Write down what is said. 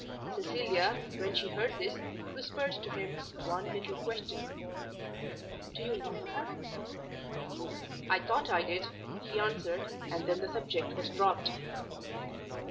Cecilia, when she heard this, whispered to him one little question, "Do you love her?" "I thought I did," he answered. And then the subject was dropped.